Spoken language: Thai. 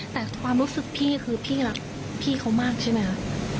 แต่ความรู้สึกพี่คือพี่รักพี่เขามากใช่ไหมคะ